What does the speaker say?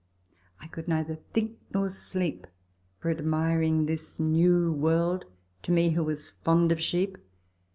I could neither think nor sleep for admiring this new world to me who was fond of sheep.